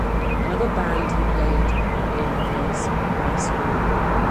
Another band he played in was Bass Groove.